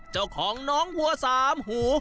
เจ้าของน้องวัวสามหู